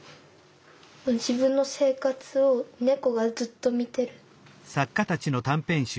自分の生活を猫がずっと見てる。